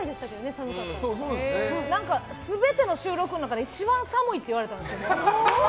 全ての収録の中で一番寒いって言われたんですよ。